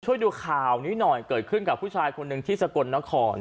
ช่วยดูข่าวนี้หน่อยเกิดขึ้นกับผู้ชายคนหนึ่งที่สกลนคร